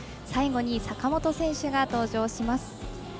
最後に、坂本選手が登場します。